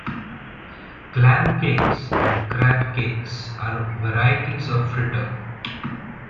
Clam cakes and crab cakes are varieties of fritter.